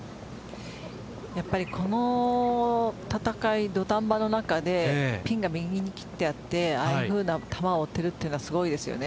やっぱりこの戦い、土壇場の中でピンが右に切ってあってああいう球を打てるのはすごいですよね。